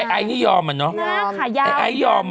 ไอ้นี่ยอมมาเนาะ